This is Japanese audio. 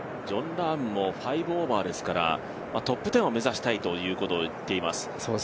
ジョン・ラームも５オーバーですからトップ１０を目指したいということを言っています。